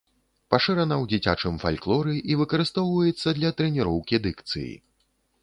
Пашырана ў дзіцячым фальклоры і выкарыстоўваецца для трэніроўкі дыкцыі.